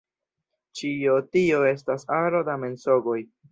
Ĉio tio estas aro da mensogoj.